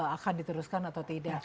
akan diteruskan atau tidak